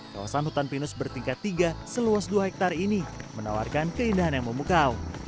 kawasan hutan pinus bertingkat tiga seluas dua hektare ini menawarkan keindahan yang memukau